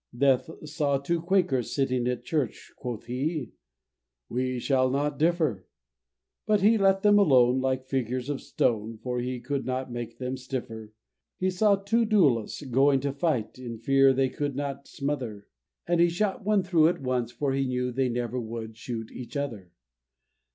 Death saw two Quakers sitting at church, Quoth he, "We shall not differ." And he let them alone, like figures of stone, For he could not make them stiffer. He saw two duellists going to fight, In fear they could not smother; And he shot one through at once for he knew They never would shoot each other.